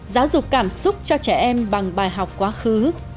giáo dục cảm xúc cho trẻ em bằng bài học quá khứ